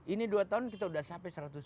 ini dua tahun kita sudah sampai satu ratus tujuh